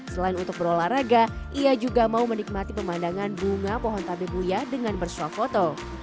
selain untuk berolahraga ia juga mau menikmati pemandangan bunga pohon tabebuya dengan bersuah foto